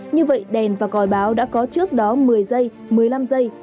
như vậy đèn và còi báo đã có trước đó một mươi giây một mươi năm giây